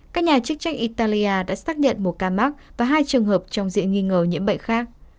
các nhà chức trách italia đã xác nhận một ca mắc và hai trường hợp trong diện nghi ngờ nhiễm bệnh khác